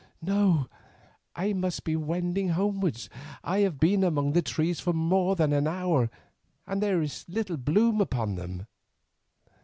"No, I must be wending homewards. I have been among the trees for more than an hour, and there is little bloom upon them."